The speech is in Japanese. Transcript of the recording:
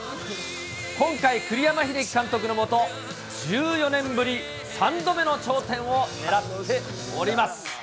今回、栗山英樹監督の下、１４年ぶり３度目の頂点を狙っております。